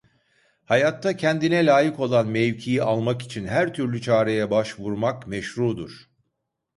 Hayatta kendine layık olan mevkii almak için her türlü çareye başvurmak meşrudur.